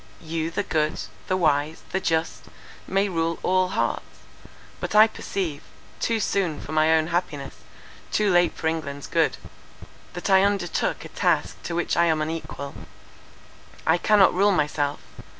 You the good, the wise, the just, may rule all hearts. But I perceive, too soon for my own happiness, too late for England's good, that I undertook a task to which I am unequal. I cannot rule myself.